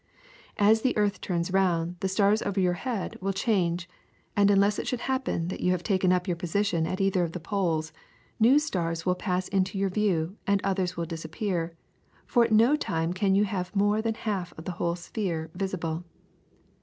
As the earth turns round, the stars over your head will change, and unless it should happen that you have taken up your position at either of the poles, new stars will pass into your view, and others will disappear, for at no time can you have more than half of the whole sphere visible.